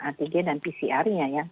anti gin dan pcr nya ya